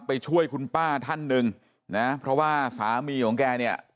ไปช่วยคุณป้าท่านหนึ่งนะเพราะว่าสามีของแกเนี่ย